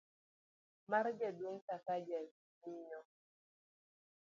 mar Jaduong' Sakaja, miyo